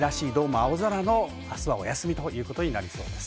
青空のお休みということに明日はなりそうです。